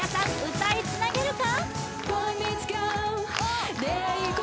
歌いつなげるか？